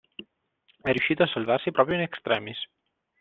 È riuscito a salvarsi proprio in extremis.